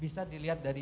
bisa dilihat di jerman